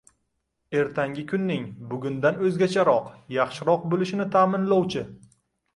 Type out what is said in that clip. ertangi kunning bugundan o‘zgacharoq, yaxshiroq bo‘lishini ta’minlovchi